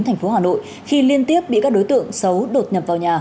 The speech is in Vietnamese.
thành phố hà nội khi liên tiếp bị các đối tượng xấu đột nhập vào nhà